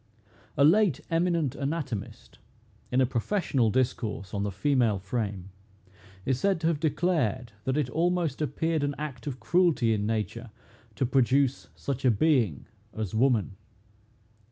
A late eminent anatomist, in a professional discourse on the female frame, is said to have declared, that it almost appeared an act of cruelty in nature to produce such a being as woman.